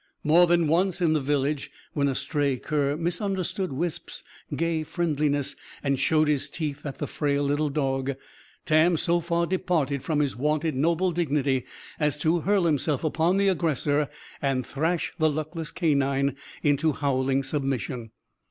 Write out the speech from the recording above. More than once, in the village, when a stray cur misunderstood Wisp's gay friendliness and showed his teeth at the frail little dog, Tam so far departed from his wonted noble dignity as to hurl himself upon the aggressor and thrash the luckless canine into howling submission.